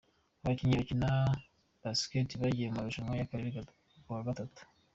Abakinnyi bakina basikete bagiye mu marushanwa y’Akarere ka gatanu